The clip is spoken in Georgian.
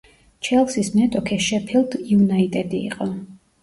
ჩელსის მეტოქე შეფილდ იუნაიტედი იყო.